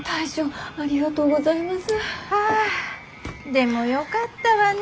でもよかったわね